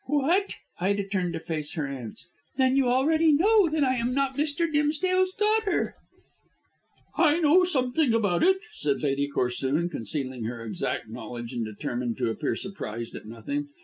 "What?" Ida turned to face her aunt. "Then you already know that I am not Mr. Dimsdale's daughter." "I know something about it," said Lady Corsoon, concealing her exact knowledge and determined to appear surprised at nothing.